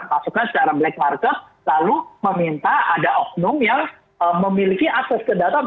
masukkan secara black market lalu meminta ada oknum yang memiliki akses ke data